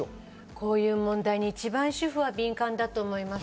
こういう問題に主婦は一番敏感だと思います。